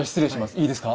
いいですか？